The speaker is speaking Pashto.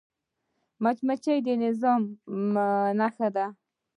مچمچۍ د نظم نښه ده